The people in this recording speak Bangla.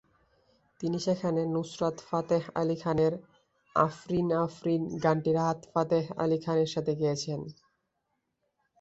তিনি সেখানে নুসরাত ফাতেহ আলী খানের "আফরিন আফরিন" গানটি রাহাত ফাতেহ আলী খানের সাথে গেয়েছেন।